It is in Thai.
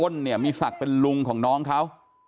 ้นเนี่ยมีศักดิ์เป็นลุงของน้องเขา